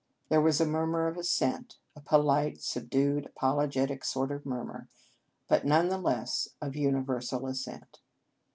There was a murmur of assent, a polite, subdued, apologetic sort of murmur; but, none the less, of uni versal assent.